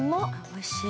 ◆おいしい。